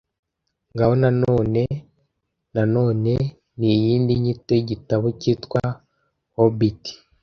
"Ngaho na none na none" ni iyindi nyito y'igitabo cyitwa Hobbit